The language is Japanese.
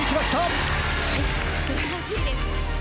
はいすばらしいです。